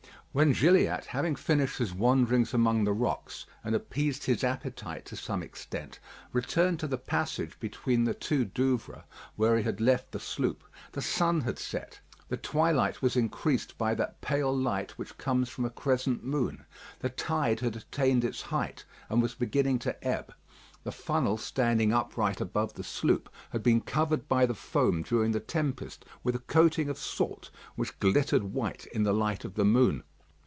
When Gilliatt, having finished his wanderings among the rocks, and appeased his appetite to some extent, returned to the passage between the two Douvres, where he had left the sloop, the sun had set, the twilight was increased by that pale light which comes from a crescent moon; the tide had attained its height, and was beginning to ebb. The funnel standing upright above the sloop had been covered by the foam during the tempest with a coating of salt which glittered white in the light of the moon.